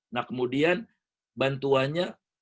nah kemudian bantuannya